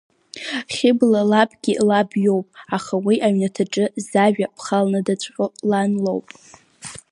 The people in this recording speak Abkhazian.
Хьыбла лабгьы лаб иоуп, аха уи аҩнаҭаҿы зажәа ԥхылнадаҵәҟьоу лан лоуп.